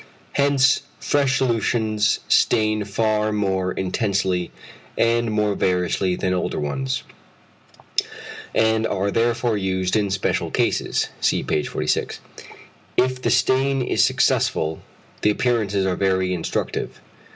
Hence fresh solutions stain far more intensely and more variously than older ones, and are therefore used in special cases (see page 46). If the stain is successful the appearances are very instructive.